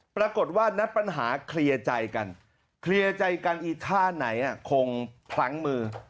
ปรากฏว่านัดปัญหาเคลียร์ใจกันเคลียร์ใจกันอีท่าไหนคงพลั้งมือ